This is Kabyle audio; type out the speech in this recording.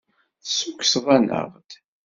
Tessukkseḍ-aneɣ-d.